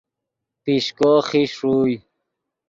پیشکو خیش ݰوئے